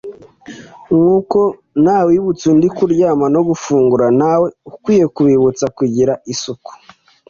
nkuko ntawibutsa undi kuryama no gufungura ntawe ukwiye kubibutsa kugira isuku”